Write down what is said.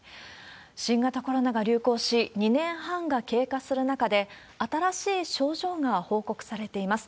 新型コロナが流行し、２年半が経過する中で、新しい症状が報告されています。